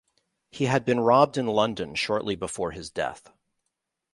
He had been robbed in London shortly before his death.